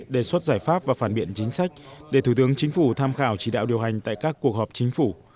đề xuất giải pháp và phản biện chính sách để thủ tướng chính phủ tham khảo chỉ đạo điều hành tại các cuộc họp chính phủ